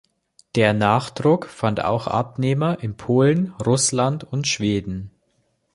Der Nachdruck fand auch Abnehmer in Polen, Russland und Schweden.